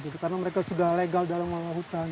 karena mereka sudah legal dalam mengelola hutan